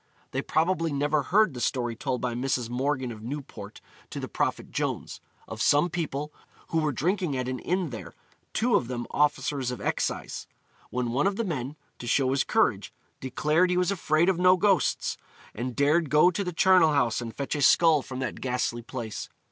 They probably never heard the story told by Mrs. Morgan of Newport to the Prophet Jones: of some people who were drinking at an inn there, 'two of them officers of excise,' when one of the men, to show his courage, declared he was afraid of no ghosts, and dared go to the charnel house and fetch a skull from that ghastly place.